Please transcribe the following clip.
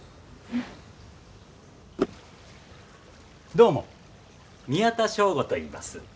どうも宮田彰悟といいます。